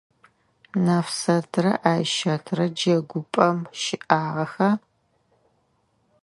Нэфсэтрэ Айщэтрэ джэгупӏэм щыӏагъэха?